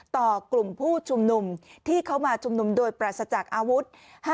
ต่อกลุ่มผู้ชุมนุมที่เขามาชุมนุมโดยปราศจากอาวุธ